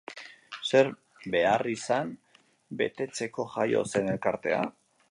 Zer beharrizan betetzeko jaio zen elkartea?